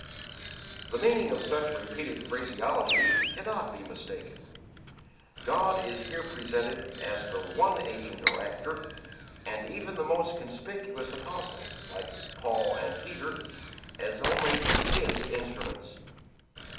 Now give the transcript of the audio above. The meaning of such repeated phraseology cannot be mistaken. God is here presented as the one agent or actor, and even the most conspicuous apostles, like Paul and Peter, as only His instruments.